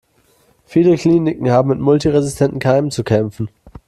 Viele Kliniken haben mit multiresistenten Keimen zu kämpfen.